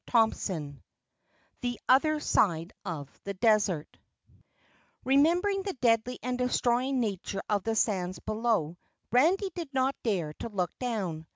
CHAPTER 6 The Other Side of the Desert Remembering the deadly and destroying nature of the sands below, Randy did not dare to look down.